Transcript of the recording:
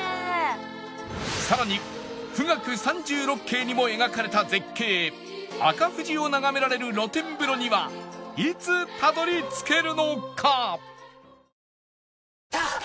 さらに『冨嶽三十六景』にも描かれた絶景赤富士を眺められる露天風呂にはいつたどり着けるのか？